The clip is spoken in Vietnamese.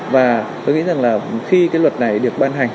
và tôi nghĩ rằng là khi cái luật này được ban hành